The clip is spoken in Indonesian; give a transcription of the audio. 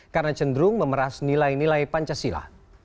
karena cenderung memeras nilai nilai pancasila